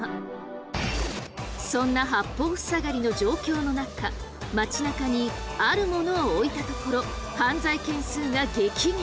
そんな八方塞がりの状況の中街中にあるものを置いたところ犯罪件数が激減！